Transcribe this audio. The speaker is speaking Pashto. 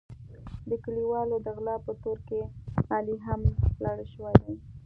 د کلیوالو د غلا په تور کې علي هم لړل شوی دی.